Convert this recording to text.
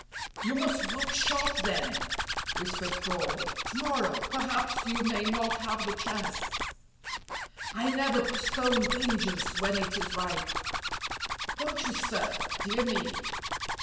"You must look sharp then," whispered Crawley; "to morrow perhaps you may not have the chance." "I never postpone vengeance when it is ripe." "Don't you, sir? dear me."